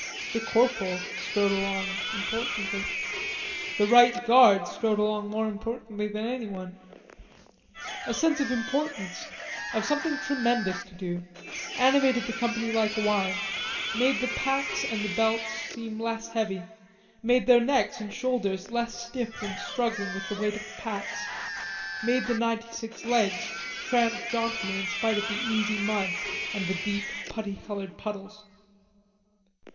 The corporal strode along importantly. The right guard strode along more importantly than anyone. A sense of importance, of something tremendous to do, animated the company like wine, made the packs and the belts seem less heavy, made their necks and shoulders less stiff from struggling with the weight of the packs, made the ninety six legs tramp jauntily in spite of the oozy mud and the deep putty colored puddles.